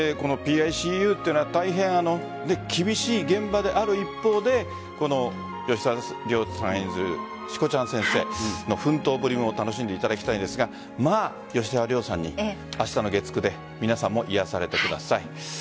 「ＰＩＣＵ」というのは大変厳しい現場である一方で吉沢亮さん演じる志子ちゃん先生の奮闘ぶりも楽しんでいただきたいんですが吉沢亮さんに明日の月９で皆さんも癒やされてください。